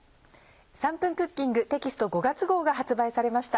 『３分クッキング』テキスト５月号が発売されました。